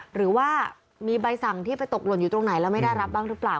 หรือว่ามีใบสั่งที่ไปตกหล่นอยู่ตรงไหนแล้วไม่ได้รับบ้างหรือเปล่า